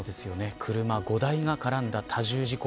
車５台が絡んだ多重事故。